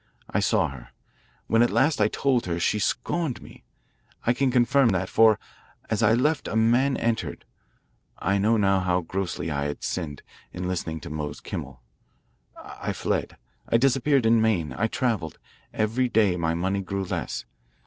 I saw her. When at last I told her, she scorned me. I can confirm that, for as I left a man entered. I now knew how grossly I had sinned, in listening to Mose Kimmel. I fled. I disappeared in Maine. I travelled. Every day my money grew less.